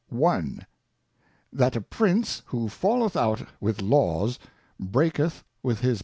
I . r~~t ^ HAT a Prince who falleth out with Laws, breaketh I with hig.